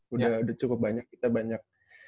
udah cukup banyak kita banyak